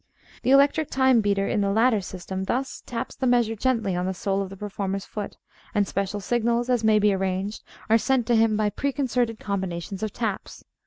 The electric time beater in the latter system thus taps the measure gently on the sole of the performer's foot, and special signals, as may be arranged, are sent to him by preconcerted combinations of taps.